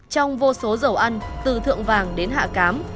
trong vô số dầu ăn từ thượng vàng đến hạ cám